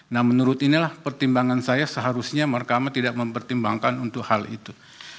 nah menurut inilah pertimbangan saya seharusnya mahkamah tidak mempertimbangkan untuk hal itu